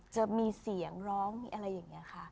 จะมีเสียงร้องมีอะไรอย่างนี้ค่ะ